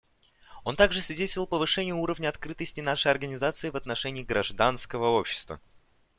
Он также содействовал повышению уровня открытости нашей Организации в отношении гражданского общества.